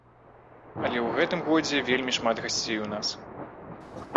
Але ў гэтым годзе вельмі шмат гасцей у нас.